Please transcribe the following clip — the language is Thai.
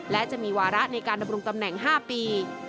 และจะมีวาระในการดำรงตำแหน่ง๕ปี